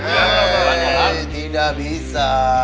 hei tidak bisa